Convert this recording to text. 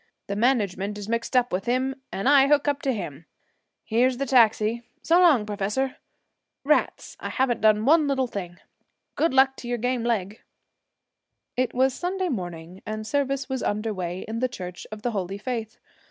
The management is mixed up with him and I hook up to him. Here's the taxi. So long, professor. Rats! I haven't done one little thing. Good luck to your game leg!' It was Sunday morning, and service was under way in the Church of the Holy Faith.